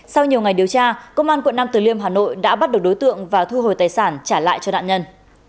sau nhiều ngày điều tra công an quận nam từ liêm hà nội đã bắt được đối tượng và thu hồi tài sản trả lại cho nạn nhân